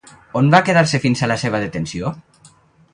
On va quedar-se fins a la seva detenció?